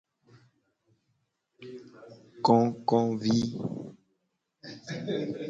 Kokovi.